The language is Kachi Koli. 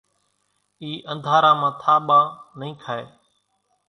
اِي انڌارا مان ٿاٻان نئي کائي